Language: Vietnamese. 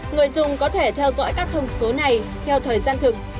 người dùng có thể theo dõi các thông số này theo thời gian thực